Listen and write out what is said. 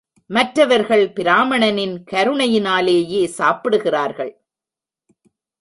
மற்றவர்கள் பிராமணனின் கருணையினாலேயே சாப்பிடுகிறார்கள்.